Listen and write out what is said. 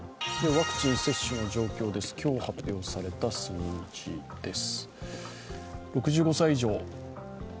ワクチン接種の状況です今日発表された数字です。